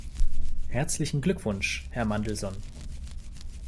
Herzlichen Glückwunsch, Herr Mandelson!